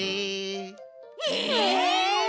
え！？